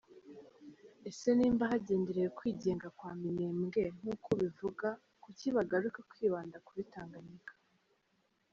Ese nimba hagenderewe kwigenga kwa Minembwe nk’uko ubivuga, kuki bagaruka kwibanda kuri Tanganyika?